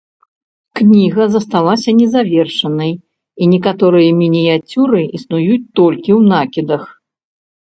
Кніга засталася незавершанай, і некаторыя мініяцюры існуюць толькі ў накідах.